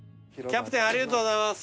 キャプテンありがとうございます。